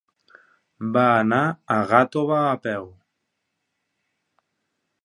Va anar a Gàtova a peu.